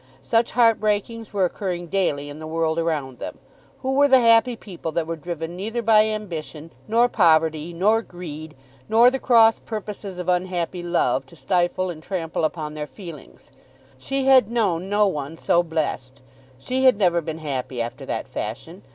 Such heart breakings were occurring daily in the world around them. Who were the happy people that were driven neither by ambition, nor poverty, nor greed, nor the cross purposes of unhappy love, to stifle and trample upon their feelings? She had known no one so blessed. She had never been happy after that fashion.